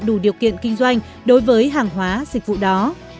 đủ điều kiện kinh doanh đối với hàng hóa dịch vụ đó